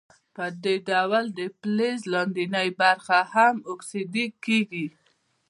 په دې ډول د فلز لاندینۍ برخې هم اکسیدي کیږي.